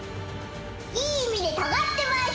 いい意味で尖ってます！